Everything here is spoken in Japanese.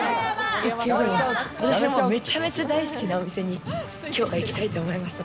１軒目もめちゃめちゃ大好きなお店に今日は行きたいと思います。